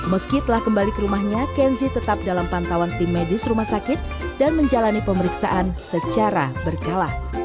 meski telah kembali ke rumahnya kenzi tetap dalam pantauan tim medis rumah sakit dan menjalani pemeriksaan secara berkala